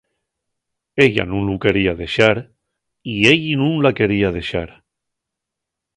Ella nun lu quería dexar, y elli nun la quería dexar.